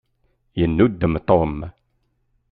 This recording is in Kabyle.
Yennudem Tom.